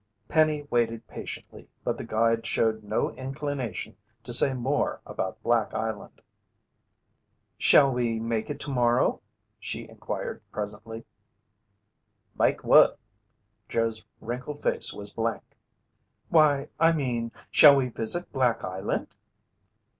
Penny waited patiently, but the guide showed no inclination to say more about Black Island. "Shall we make it tomorrow?" she inquired presently. "Make what?" Joe's wrinkled face was blank. "Why, I mean, shall we visit Black Island!"